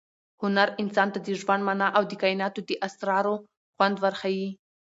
هنر انسان ته د ژوند مانا او د کائناتو د اسرارو خوند ورښيي.